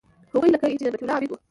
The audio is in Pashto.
هغوی لکه انجینیر مطیع الله عابد وو.